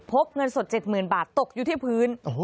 พบเงินสด๗๐๐บาทตกอยู่ที่พื้น